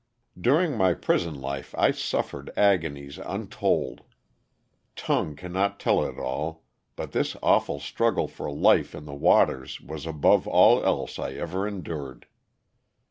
During my prison life I suffered agonies untold. Tongue cannot tell it all, but this awful struggle for life in the waters was above all else I ever endured.